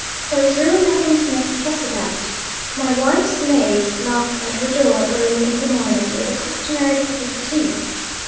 There is really nothing to make a fuss about. My wife's maid knocked at her door early in the morning, with the customary cup of tea.